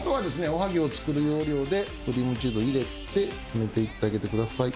おはぎを作る要領でクリームチーズを入れて詰めていってあげてください。